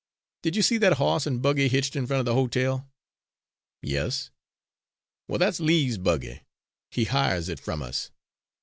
Did you see that hoss'n' buggy hitched in front of the ho tel?" "Yes." "Well, that's Lee's buggy. He hires it from us.